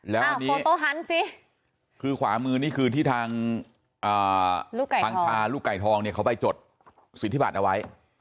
แล้วนี่คือขวามือนี่คือที่ทางภังคาลูกไก่ทองเนี่ยเขาไปจดสิทธิบาทเอาไว้